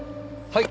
はい。